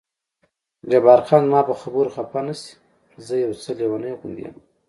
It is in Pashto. جبار خان: زما په خبرو خفه نه شې، زه یو څه لېونی غوندې یم.